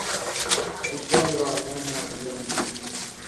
Kutenga wanyama walioambukizwa